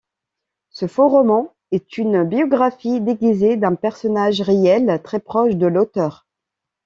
Ce faux roman est une biographie déguisée d'un personnage réel, très proche de l'auteur.